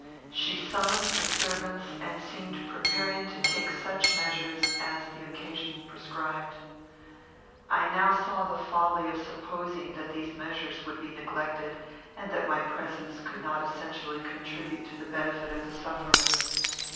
She summoned the servants and seemed preparing to take such measures as the occasion prescribed. I now saw the folly of supposing that these measures would be neglected, and that my presence could not essentially contribute to the benefit of the sufferer.